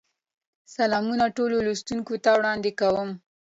سلامونه ټولو لوستونکو ته وړاندې کوم.